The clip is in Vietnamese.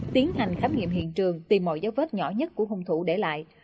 tiến hành khám nghiệm hiện trường tìm mọi dấu vết nhỏ nhất của hung thủ để lại